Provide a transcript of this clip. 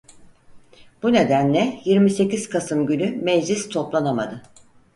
Bu nedenle yirmi sekiz Kasım günü meclis toplanamadı.